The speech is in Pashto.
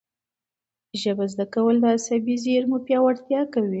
ژبه زده کول د عصبي زېرمو پیاوړتیا کوي.